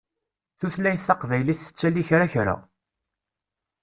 Tutlayt taqbaylit tettali kra kra.